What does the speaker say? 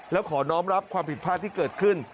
แล้วขอน้องรับความผิดพลาดที่เกิดขึ้น